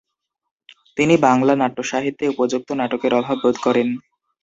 তিনি বাংলা নাট্যসাহিত্যে উপযুক্ত নাটকের অভাব বোধ করেন।